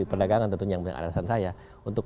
perdagangan tentunya yang benar benar alasan saya untuk